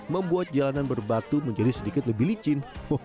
membuat jalanan berbatu menjadi sedikit lebih licin